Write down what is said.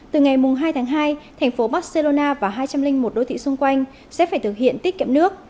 từ ngày hai tháng hai thành phố barcelona và hai trăm linh một đô thị xung quanh sẽ phải thực hiện tiết kiệm nước